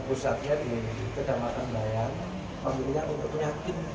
yaitu dengan mengganti doktorat